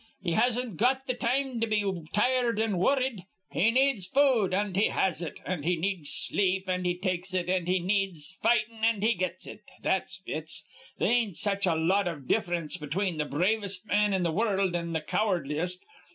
He hasn't got th' time to be tired an' worrid. He needs food, an' he has it; an' he needs sleep, an' he takes it; an' he needs fightin', an' he gets it. That's Fitz. They ain't such a lot iv diff'rence between th' bravest man in the wurruld an' th' cow'rdliest.